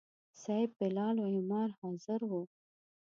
صیب، بلال او عمار حاضر وو.